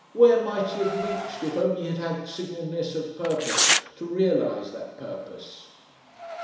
Where might he have reached if only he had had singleness of purpose to realise that purpose?...